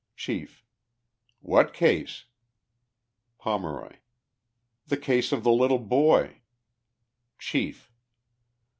Chief. —" What ease ?" Pomeroy. — u The case of the little boy." Chief.